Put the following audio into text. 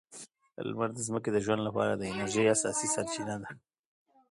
لمر د ځمکې د ژوند لپاره د انرژۍ اساسي سرچینه ده.